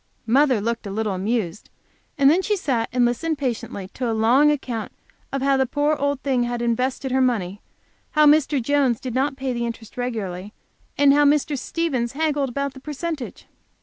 Mother looked a little amused, and then she sat and listened, patiently, to a long account of how the poor old thing had invested her money; how Mr. Jones did not pay the interest regularly, and how Mr. Stevens haggled about the percentage.